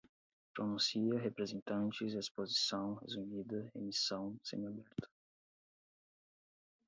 pronuncia, representantes, exposição resumida, remição, semi-aberto